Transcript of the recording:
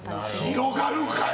広がるんかい！